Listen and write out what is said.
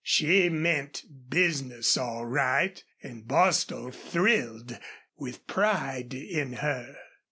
She meant business, all right, and Bostil thrilled with pride in her.